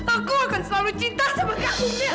aku akan selalu cinta sama dia umir